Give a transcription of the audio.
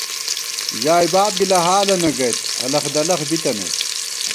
ژائے باب گِلہ حالَنہ گَئیت ، الخ دلخ بِتَنَئیت